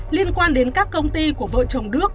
liên quan đến các công ty của vợ chồng đức